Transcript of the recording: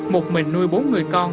một mình nuôi bốn người con